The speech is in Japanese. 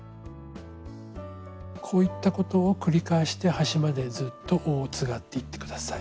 こういったことを繰り返して端までずっと緒をつがっていって下さい。